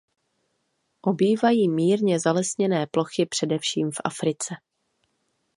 Obývají mírně zalesněné plochy především v Africe.